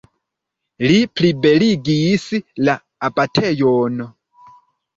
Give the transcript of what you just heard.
Li plibeligis la abatejon.